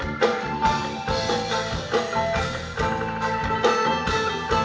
นเกินได้ไทยก็ต้องมีคุณ